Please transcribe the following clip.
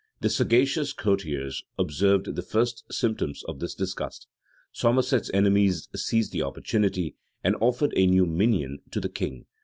The sagacious courtiers observed the first symptoms of this disgust: Somerset's enemies seized the opportunity, and offered a new minion to the king.